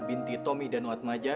binti tomi danuatmaja